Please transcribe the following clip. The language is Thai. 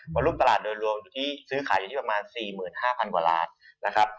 รุ่นตลาดโดยรวมอยู่ที่ซื้อขายอยู่ที่ประมาณ๔๕๐๐กว่าล้านนะครับ